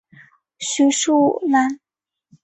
徐树楠。